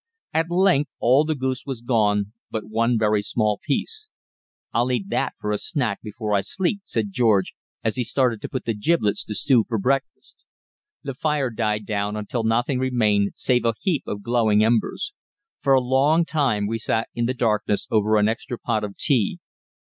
At length all the goose was gone but one very small piece. "I'll eat that for a snack before I sleep," said George, as he started to put the giblets to stew for breakfast. The fire died down until nothing remained save a heap of glowing embers. For a long time we sat in the darkness over an extra pot of tea.